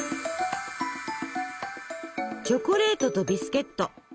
チョコレートとビスケット。